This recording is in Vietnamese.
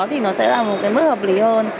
thì nó sẽ là một cái mức hợp lý hơn